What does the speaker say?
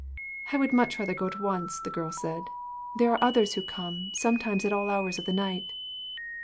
"I would much rather go at once," the girl said. "There are others who come, sometimes at all hours of the night."